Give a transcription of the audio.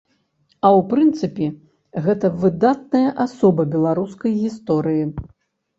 А ў прынцыпе, гэта выдатная асоба беларускай гісторыі.